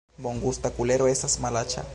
Bongusta kukero estas malaĉa